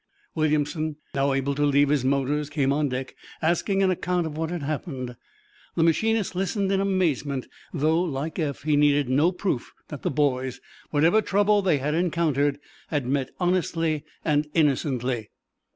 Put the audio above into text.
Williamson, now able to leave his motors, came on deck, asking an account of what had happened. The machinist listened in amazement, though, like Eph, he needed no proof that the boys, whatever trouble they had encountered, had met honestly and innocently.